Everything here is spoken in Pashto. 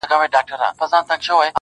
کښتۍ هم ورڅخه ولاړه پر خپل لوري!!